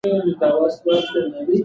تاسو ولې له کوره بهر وتلي یاست؟